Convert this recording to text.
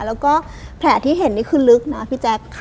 แล้วก็แผลที่เห็นนี่คือลึกนะพี่แจ๊ค